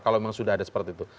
kalau memang sudah ada seperti itu